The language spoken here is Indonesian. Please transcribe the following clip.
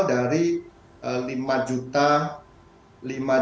dari lima juta